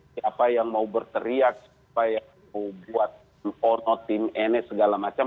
siapa yang mau berteriak siapa yang mau buat ono tim ini segala macam